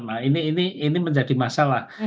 nah ini menjadi masalah